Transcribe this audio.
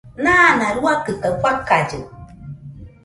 Nana ruakɨ kaɨ fakallɨ